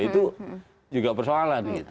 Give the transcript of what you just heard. itu juga persoalan gitu